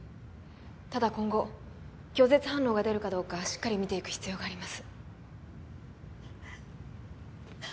ただ今後拒絶反応が出るかどうかしっかり見ていく必要があります